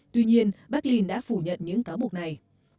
tuy nhiên berlin đã phủ nhận những cáo buộc này